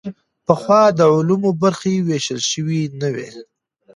پخوا د علومو برخې ویشل شوې نه وې.